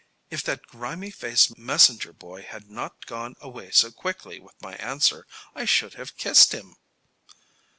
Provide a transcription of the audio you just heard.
"If that grimy faced messenger boy had not gone away so quickly with my answer I should have kissed him!"